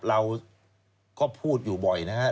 เราก็พูดอยู่บ่อยนะฮะ